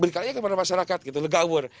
berikannya kepada masyarakat gitu legawur